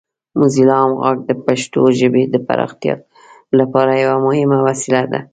موزیلا عام غږ د پښتو ژبې د پراختیا لپاره یوه مهمه وسیله ده.